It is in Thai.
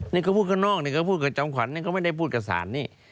นี่ก็พูดข้างนอกนี่ก็พูดกับจอมขวัญนี่ก็ไม่ได้พูดกับสารนี่